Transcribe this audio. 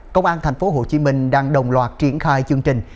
công an tp hcm đang đồng loạt triển khai chương trình